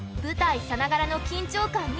舞台さながらの緊張感